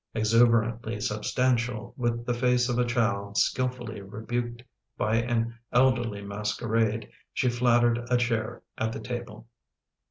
Exuberantly substantial, with the face of a child skillfully rebuked by an elderly masquerade, she flattered a chair at the table.